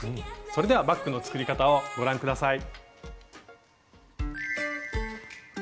それではバッグの作り方をご覧下さい。